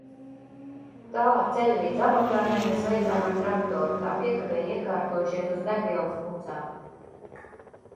Tālāk ceļu līdz Abakanai mēs veicām ar traktoru, tā piekabē iekārtojušies uz degvielas mucām.